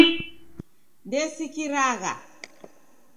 Ndesikiragha